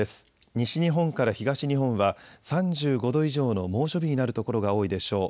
西日本から東日本は３５度以上の猛暑日になるところが多いでしょう。